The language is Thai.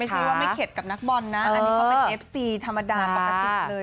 ไม่ใช่ว่าไม่เข็ดกับนักบอลนะอันนี้เขาเป็นเอฟซีธรรมดาปกติเลย